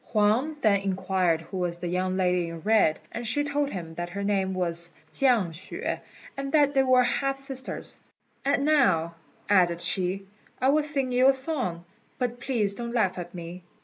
Huang then inquired who was the young lady in red, and she told him that her name was Chiang hsüeh, and that they were half sisters; "and now," added she, "I will sing you a song; but please don't laugh at me."